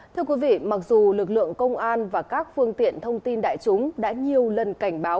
thưa quý vị mặc dù lực lượng công an và các phương tiện thông tin đại chúng đã nhiều lần cảnh báo